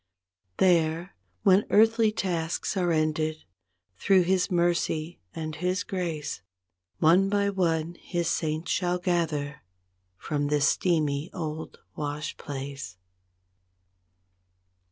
There when earthly tasks are ended, through His mercy and His grace. One by one His saints shall gather, from this steamy old wash place.